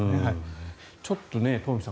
ちょっとトンフィさん